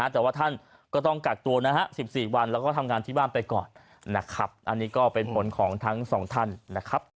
แต่ว่าท่านก็ต้องกักตัวนะฮะ๑๔วันแล้วก็ทำงานที่บ้านไปก่อนนะครับอันนี้ก็เป็นผลของทั้งสองท่านนะครับ